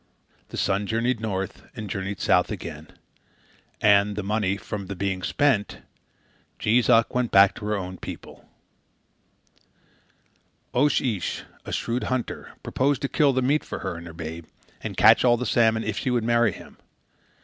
The sun journeyed north, and journeyed south again; and, the money from the being spent, Jees Uck went back to her own people. Oche Ish, a shrewd hunter, proposed to kill the meat for her and her babe, and catch the salmon, if she would marry him.